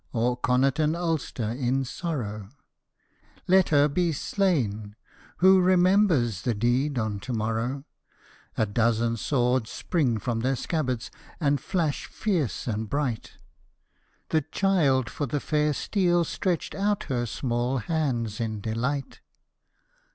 or Connaught and Ulster in sorrow ? Let her be slain ! Who remembers the deed on to morrow ?' A dozen swords spring from their scabbards and flash fierce and bright, The child for the fair steel stretched out her small hands in delight.